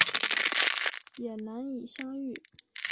也难以相遇